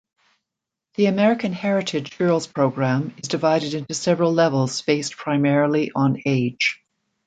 The American Heritage Girls program is divided into several levels based primarily on age.